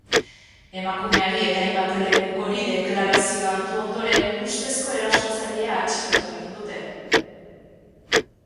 Emakumeari eta hainbat lekukori deklarazioa hartu ondoren, ustezko erasotzailea atxilotu egin dute.